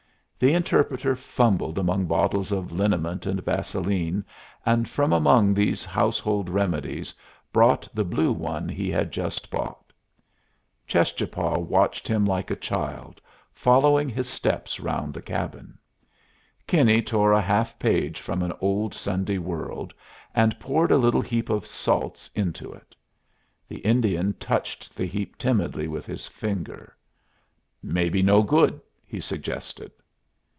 The interpreter fumbled among bottles of liniment and vaseline, and from among these household remedies brought the blue one he had just bought. Cheschapah watched him like a child, following his steps round the cabin. Kinney tore a half page from an old Sunday World, and poured a little heap of salts into it. The Indian touched the heap timidly with his finger. "Maybe no good," he suggested.